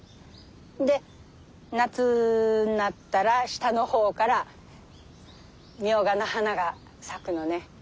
で夏になったら下の方からミョウガの花が咲くのね。